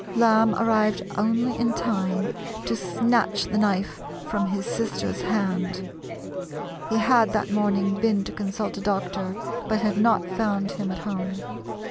Lamb arrived only in time to snatch the knife from his sister's hand. He had that morning been to consult a doctor, but had not found him at home.